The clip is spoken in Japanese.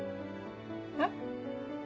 えっ？